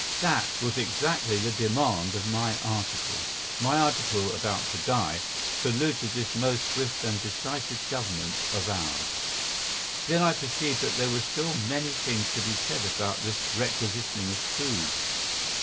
That was exactly the demand of my article. My article, about to die, saluted this most swift and decisive Government of ours.... Then I perceived that there were still many things to be said about this requisitioning of food.